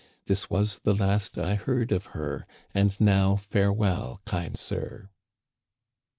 * (This was the last I heard of her) • And now farewell, kind sir.